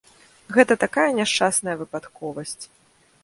Гэта такая няшчасная выпадковасць.